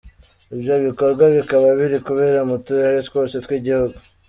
Ibyo bikorwa bikaba biri kubera mu turere twose tw’Igihugu.